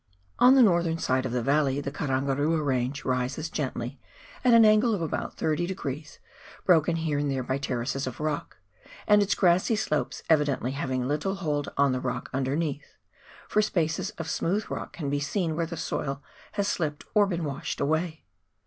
On the northern side of the valley the Karangarua Range rises gently at an angle of about 30 degrees, broken here and there by terraces of rock, and its grassy slopes evidently having little hold on the rock underneath, for spaces of smooth rock can be seen where the soil has slipped or been washed away.